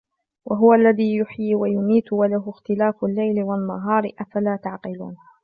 وهو الذي يحيي ويميت وله اختلاف الليل والنهار أفلا تعقلون